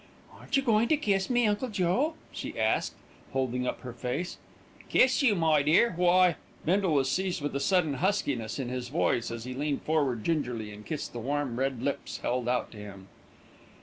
"Aren't you going to kiss me, Uncle Joe?" she asked, holding up her face. "Kiss you, my dear, why " Bindle was seized with a sudden huskiness in his voice, as he leaned forward gingerly and kissed the warm red lips held out to him.